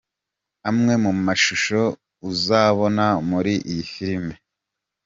Amwe mu mashusho uzabona muri iyi filime.